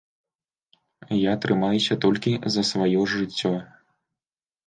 Я трымаюся толькі за сваё жыццё.